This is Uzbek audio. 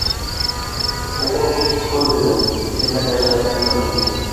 — O‘qib ko‘r!-dedi. — Sendan yashiradigan sirim yo‘q!